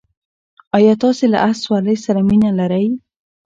ایا تاسې له اس سورلۍ سره مینه لرئ؟